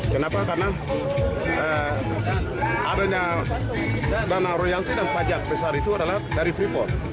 kenapa karena adanya dana royalti dan pajak besar itu adalah dari freeport